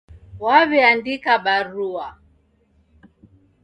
Waw'eandika barua